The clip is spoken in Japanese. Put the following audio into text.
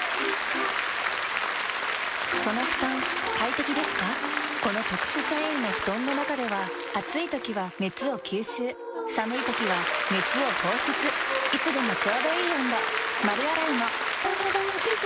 密漁したこの特殊繊維の布団の中では暑い時は熱を吸収寒い時は熱を放出いつでもちょうどいい温度丸洗いもお、ねだん以上。